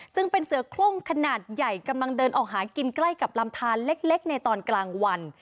ซึ่งเป็นเสือโครงขนาดใหญ่กำลังเดินออกหากินใกล้กับลำทานเล็กในตอนกลางวัน